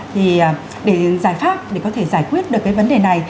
thì để giải pháp để có thể giải quyết được cái vấn đề này